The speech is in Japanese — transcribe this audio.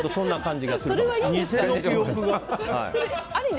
偽の記憶が。